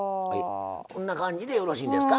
こんな感じでよろしいんですか。